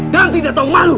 dan tidak tahu malu